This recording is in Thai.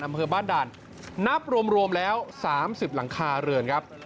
อำเภอบ้านด่านนับรวมแล้ว๓๐หลังคาเรือนครับ